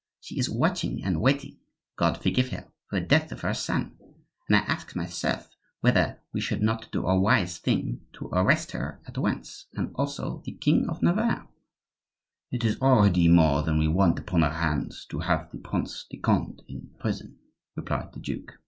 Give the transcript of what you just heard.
She is watching and waiting, God forgive her! for the death of her son; and I ask myself whether we should not do a wise thing to arrest her at once, and also the king of Navarre." "It is already more than we want upon our hands to have the Prince de Conde in prison," replied the duke.